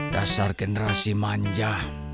dasar generasi manja